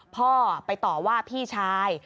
พ่อไปต่อว่าพี่ชาย